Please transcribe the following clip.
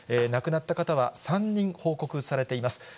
亡くなった方は３人報告されています。